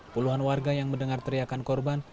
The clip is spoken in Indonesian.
puluhan warga yang mendengar teriakan korban